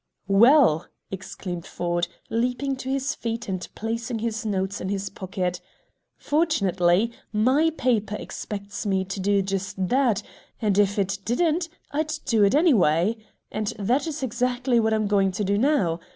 "Well," exclaimed Ford, leaping to his feet and placing his notes in his pocket, "fortunately, my paper expects me to do just that, and if it didn't, I'd do it anyway. And that is exactly what I am going to do now!